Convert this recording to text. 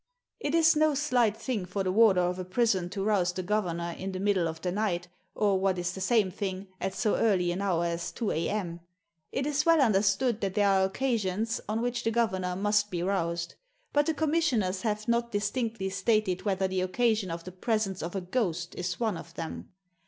It is no slight thing for the warder of a prison to rouse the governor in the middle of the night, or what is the same thing, at so early an hour as two a.m. It is well understood that there are occasions on which the governor must be roused. But the Commissioners have not distinctly stated whether the occasion of the presence of a ghost is one of them.